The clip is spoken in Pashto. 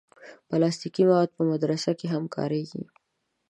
پلاستيکي مواد په مدرسه کې هم کارېږي.